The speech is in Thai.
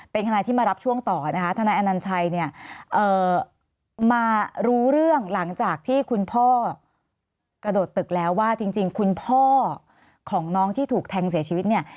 เป็นทนายที่มารับช่วงต่อนะคะทนายอนัญชัยเนี่ยมารู้เรื่องหลังจากที่คุณพ่อกระโดดตึกแล้วว่าจริงคุณพ่อของน้องที่ถูกแทงเสียชีวิตเนี่ย